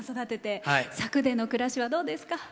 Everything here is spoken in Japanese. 佐久での暮らしはどうですか？